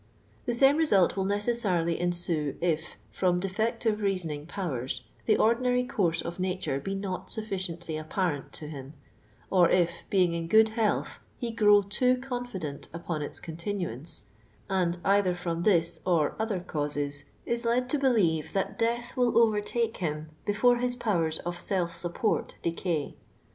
The same result will utcessarily ensue if, from defective reasoning powers, the ordinary course of nature be not sufficiently apparent to him, or if, being in good health, ho grow too confident upon its continuaneo, and, either from this or other causes, is led to b l evc that death will overtake him before his pf wer:* of self support decay.